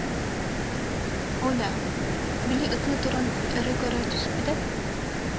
Коля, били, ытыы туран, өрө көрө түспүтэ